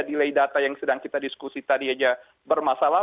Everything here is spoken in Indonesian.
delay data yang sedang kita diskusi tadi aja bermasalah